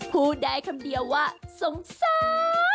พูดได้คำเดียวว่าสงสาร